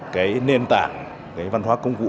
cái nền tảng cái văn hóa công vụ